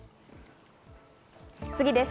次です。